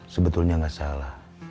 sebetulnya gak salah